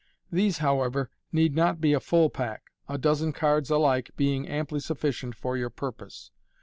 These, however, need not be a full pack, a dozen cards alike being amply sufficient for your purpose.